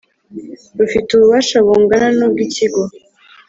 rufite ububasha bungana n ubw Ikigo